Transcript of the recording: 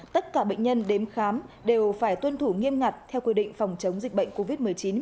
tất cả bệnh nhân đến khám đều phải tuân thủ nghiêm ngặt theo quy định phòng chống dịch bệnh covid một mươi chín